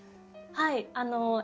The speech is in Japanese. はい。